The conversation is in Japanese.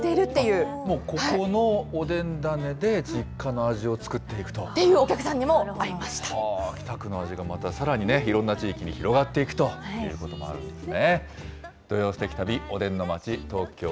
もうここのおでん種で、実家っていうお客さんにも会いま北区の味がまたさらにね、いろんな地域に広がっていくということもあるんですね。